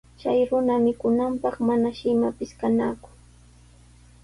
Chay runa mikunanpaq manashi imapis kannaku.